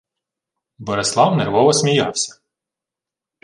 Борислав нервово сміявся: